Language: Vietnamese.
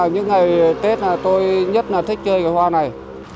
những ngày tết tôi nhất thích chơi hoa này